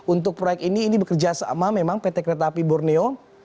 untuk proyek ini ini bekerja sama memang pt kereta api borneo